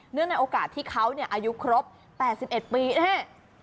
เนื่องจากโอกาสที่เค้าอายุครบ๘๑ปี